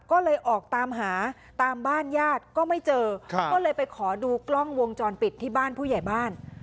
ก็เลยออกตามหาตามบ้านญาติก็ไม่เจอก็เลยไปขอดูกล้องวงจรปิดที่บ้านผู้ใหญ่บ้าน